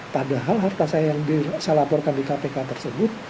padahal harta saya yang saya laporkan di kpk tersebut